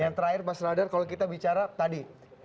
yang terakhir pak sradar kalau kita bicara tadi